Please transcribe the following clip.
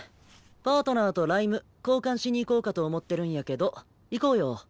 パートナーと「ＬＩＭＥ」交換しに行こうかと思ってるんやけど行こうよ。